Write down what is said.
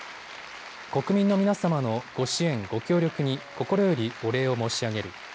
国民の皆様のご支援、ご協力に心よりお礼を申し上げる。